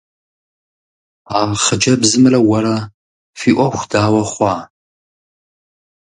А хъыджэбзымрэ уэрэ фи Ӏуэху дауэ хъуа?